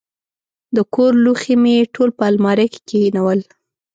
د کور لوښي مې ټول په المارۍ کې کښېنول.